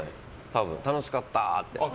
楽しかった！って。